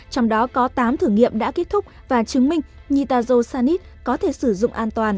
trong đó có tám thử nghiệm đã kết thúc và chứng minh nitazosanit có thể sử dụng an toàn